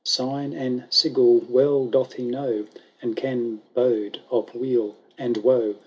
21 Sign and si'gil well doth he know. And can bode of weal and woe.